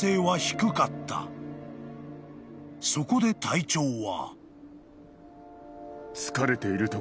［そこで隊長は］